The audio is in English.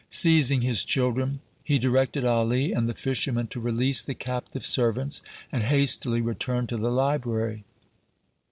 Seizing his children, he directed Ali and the fishermen to release the captive servants, and hastily returned to the library.